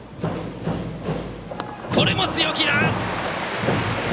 これも強気だ！